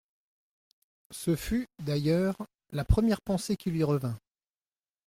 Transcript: Ce fut, d’ailleurs, la première pensée qui lui revint.